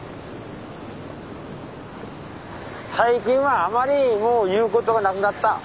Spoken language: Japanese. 最近はあまりもう言うことがなくなった。